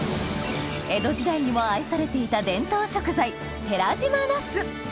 江戸時代にも愛されていた伝統食材寺島ナス